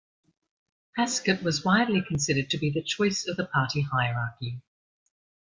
Haskett was widely considered to be the choice of the party hierarchy.